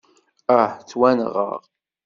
Ah! Ttwanɣeɣ!